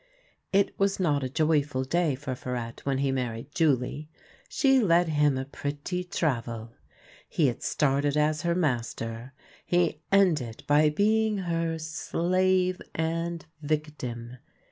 It was not a joyful day for Farette when he married Julie. She led him a pretty travel. He had started as her master; he ended by being her slave and victim.